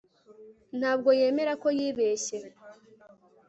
ntabwo yemera ko yibeshye